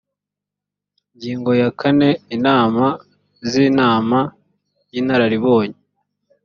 ingingo ya kane inama z inama y inararibonye